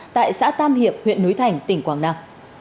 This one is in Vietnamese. tại xã tam hiệp huyện núi thành tỉnh quảng nam